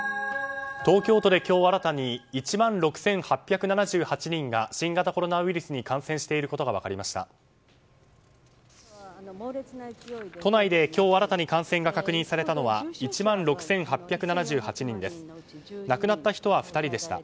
東京都で今日新たに１万６８７８人が新型コロナウイルスに感染していることが分かりました。